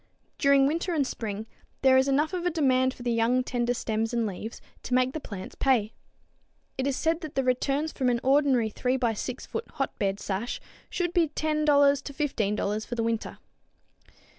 During winter and spring there is enough of a demand for the young tender stems and leaves to make the plants pay. It is said that the returns from an ordinary 3 x 6 foot hotbed sash should be $10 to $15 for the winter.